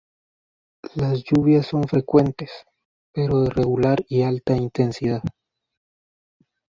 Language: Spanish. Las lluvias son frecuentes, pero de regular y alta intensidad.